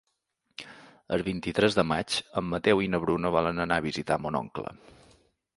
El vint-i-tres de maig en Mateu i na Bruna volen anar a visitar mon oncle.